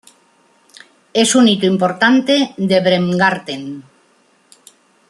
Es un hito importante de Bremgarten.